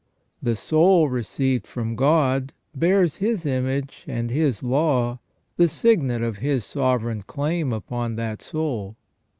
The soul received from God bears His image and His law, the signet of His sovereign claim upon that soul.